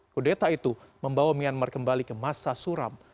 kudeta itu membawa myanmar kembali ke masa suram